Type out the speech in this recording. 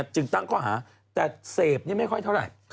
จึงตั้งข้อหาแต่เสพนี่ไม่ค่อยเท่าไหร่